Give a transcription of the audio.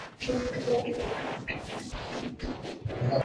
琉球第一尚氏王朝国王尚思绍的祖父佐铭川大主出生于此岛。